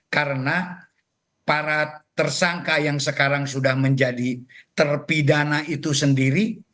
karena para tersangka yang sekarang sudah menjadi terpidana itu sendiri